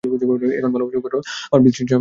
এখন ভালবাসার উপর আমার বিতৃষ্ণা হয়ে গেছে।